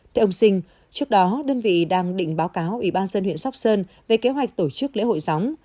theo ông sinh trước đó đơn vị đang định báo cáo ủy ban dân huyện sóc sơn về kế hoạch tổ chức lễ hội gióng